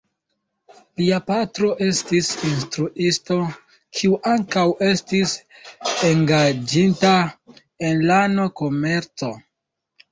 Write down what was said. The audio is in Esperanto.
Lia patro estis instruisto, kiu ankaŭ estis engaĝita en lano-komerco.